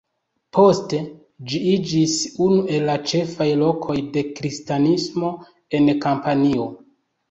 Poste ĝi iĝis unu el la ĉefaj lokoj de Kristanismo en Kampanio.